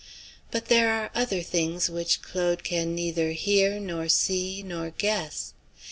But there are other things which Claude can neither hear, nor see, nor guess.